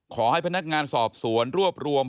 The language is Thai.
ขอให้พนักงานสอบสวนรวบรวม